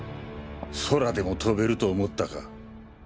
空でも飛べると思ったか。